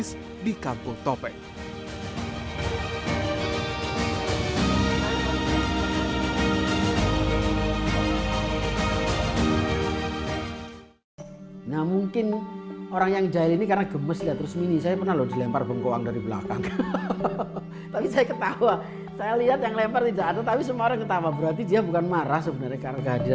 nah mungkin orang yang jahil ini karena gemes lihat resmi ini